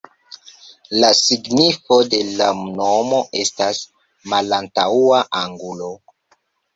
La signifo de la nomo estas "malantaŭa angulo".